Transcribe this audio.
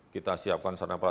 kita siapkan sana